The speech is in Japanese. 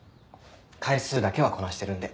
回数だけはこなしてるんで。